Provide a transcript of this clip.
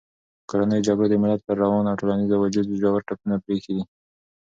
کورنیو جګړو د ملت پر روان او ټولنیز وجود ژور ټپونه پرېښي دي.